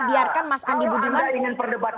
biarkan mas andi budiman